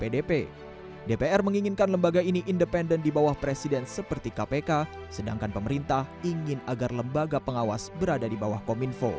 dpr menginginkan lembaga ini independen di bawah presiden seperti kpk sedangkan pemerintah ingin agar lembaga pengawas berada di bawah kominfo